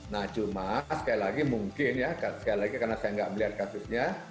nah cuma sekali lagi mungkin ya sekali lagi karena saya nggak melihat kasusnya